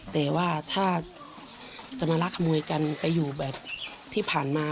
แต่ว่าถ้าจะมารักขโมยกันไปอยู่แบบที่ผ่านมา